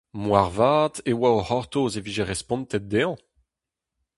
Moarvat e oa o c'hortoz e vije respontet dezhañ.